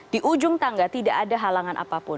di ujung tangga tidak ada halangan apapun